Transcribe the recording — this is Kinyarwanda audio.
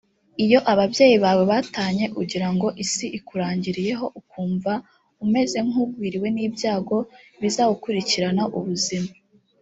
iyo ababyeyi bawe batanye ugira ngo isi ikurangiriyeho ukumva umeze nk ugwiririwe n ibyago bizagukurikirana ubuzima